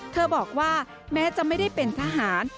บอกว่าแม้จะไม่ได้เป็นทหาร